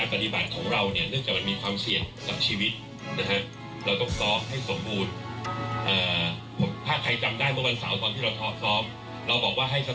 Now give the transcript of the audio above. โปรดติดตามต่อไป